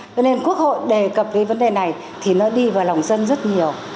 cho nên quốc hội đề cập cái vấn đề này thì nó đi vào lòng dân rất nhiều